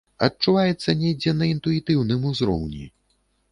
Адчуваецца недзе на інтуітыўным узроўні.